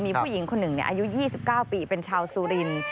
มีผู้หญิงคนหนึ่งอายุ๒๙ปีเป็นชาวสุรินทร์